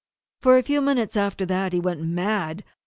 For a few minutes after that he went mad.